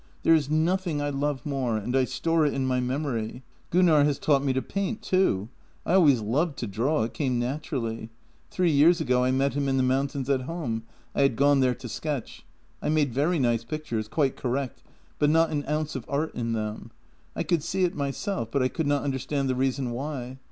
There is nothing I love more, and I store it in my memory. " Gunnar has taught me to paint too. I always loved to draw; it came naturally. Three years ago I met him in the mountains at home. I had gone there to sketch. I made very nice pictures, quite correct, but not an ounce of art in them. I could see it myself, but I could not understand the reason why.